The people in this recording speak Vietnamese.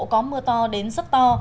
có mưa to đến rất to